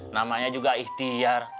namanya juga ihtiar